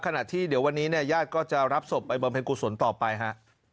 ขณะที่เดี๋ยววันนี้เนี่ยญาติก็จะรับศพไปบำเพ็ญกุศลต่อไปฮะ